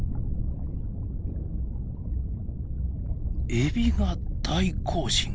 エビが大行進！